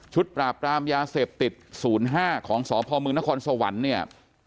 ปราบปรามยาเสพติด๐๕ของสพมนครสวรรค์เนี่ย